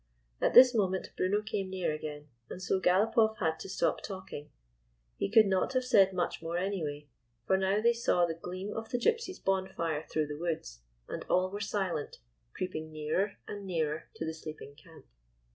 At this moment Bruno came near again, and so Galopoff had to stop talking. He could not have said much more, anyway ; for now they saw the gleam of the Gypsies' bonfire through the woods, and all were silent, creeping nearer and nearer to the sleeping camp.